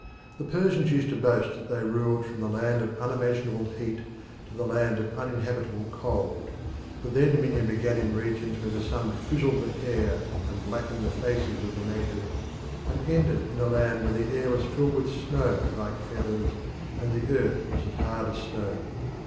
The Persians used to boast that they ruled from the land of uninhabitable heat to the land of uninhabitable cold; that their dominion began in regions where the sun frizzled the hair and blackened the faces of the natives, and ended in a land where the air was filled with snow like feathers and the earth was hard as stone.